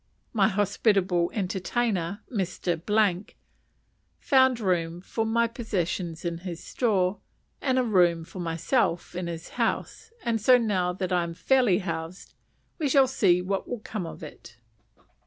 My hospitable entertainer, Mr. , found room for my possessions in his store, and a room for myself in his house; and so now that I am fairly housed we shall see what will come of it.